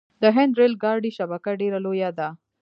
د هند ریل ګاډي شبکه ډیره لویه ده.